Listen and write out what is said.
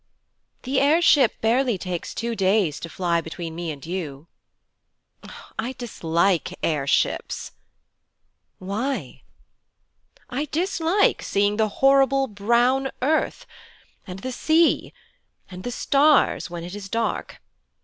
'The air ship barely takes two days to fly between me and you.' 'I dislike air ships.' 'Why?' 'I dislike seeing the horrible brown earth, and the sea, and the stars when it is dark.